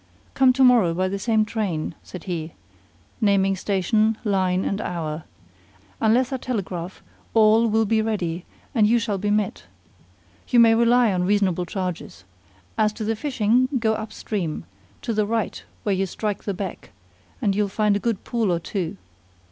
"Come to morrow by the same train," said he, naming station, line, and hour; "unless I telegraph, all will be ready and you shall be met. You may rely on reasonable charges. As to the fishing, go up stream to the right when you strike the beck and you'll find a good pool or two.